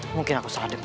mungkin aku salah dengar